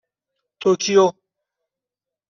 توکیو